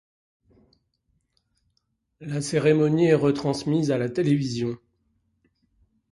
La cérémonie est retransmise à la télévision.